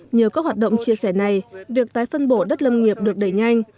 nhờ các hoạt động chia sẻ này việc tái phân bổ đất lâm nghiệp được đẩy nhanh